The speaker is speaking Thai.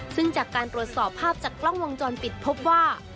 ซึ่งจากการตรวจสอบภาพจากกล้องวงจรปิดพบว่า